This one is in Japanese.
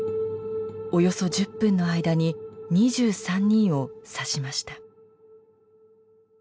およそ１０分の間に２３人を刺しました。